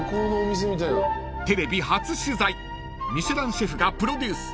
［テレビ初取材『ミシュラン』シェフがプロデュース］